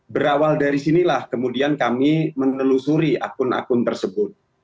berawal dari sinilah kemudian kami menelusuri akun akun tersebut